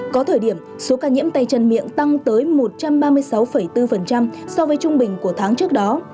có thời điểm số ca nhiễm tay chân miệng tăng tới một trăm ba mươi sáu bốn so với trung bình của tháng trước đó